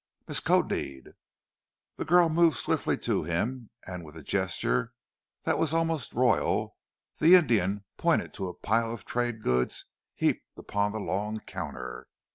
"Miskodeed." The girl moved swiftly to him and with a gesture that was almost royal the Indian pointed to a pile of trade goods heaped upon the long counter.